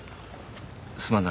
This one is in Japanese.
すまんな。